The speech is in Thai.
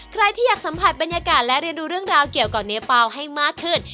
ใครที่อยากสัมผัสบรรยากาศและเรียนรู้เรื่องราวเกี่ยวกับเนื้อเปล่าให้มากขึ้น